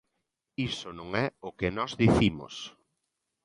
Iso non é o que nós dicimos.